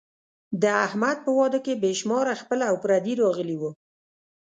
د احمد په واده کې بې شماره خپل او پردي راغلي وو.